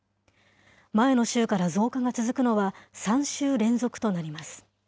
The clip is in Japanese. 前の週から増加が続くのは、３週連続となります。